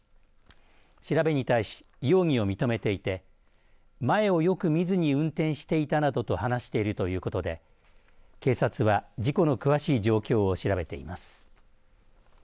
調べに対し容疑を認めていて前をよく見ずに運転していたなどと話しているということで警察は、事故の詳しい状況を調べています。